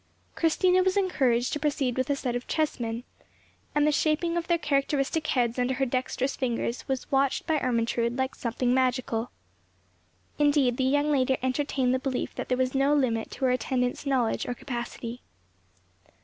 Christina was encouraged to proceed with a set of chessmen, and the shaping of their characteristic heads under her dexterous fingers was watched by Ermentrude like something magical. Indeed, the young lady entertained the belief that there was no limit to her attendant's knowledge or capacity.